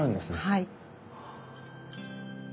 はい。